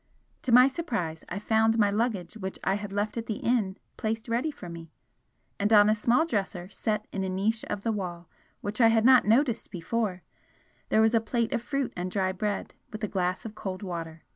To my surprise, I found my luggage which I had left at the inn placed ready for me and on a small dresser set in a niche of the wall which I had not noticed before, there was a plate of fruit and dry bread, with a glass of cold water.